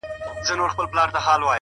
د بدلون منل د ودې پیل دی’